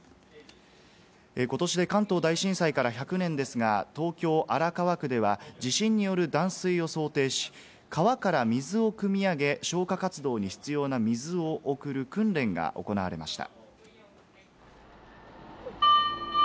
ことしで関東大震災から１００年ですが、東京・荒川区では地震による断水を想定し、川から水をくみ上げ、消火活動に必要な水を送る訓練が行われました。